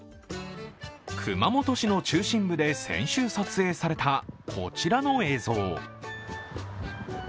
熊本市の中心部で先週撮影されたこちらの映像。